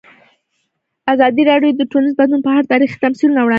ازادي راډیو د ټولنیز بدلون په اړه تاریخي تمثیلونه وړاندې کړي.